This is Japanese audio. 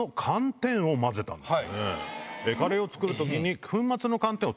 カレーを作る時に。